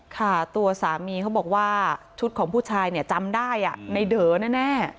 ค่ะตัวสามีเขาบอกว่าชุดของผู้ชายจำได้ไอเดิร์แน่